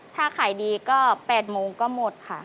ถ้าขายดีก็๘โมงก็หมดค่ะ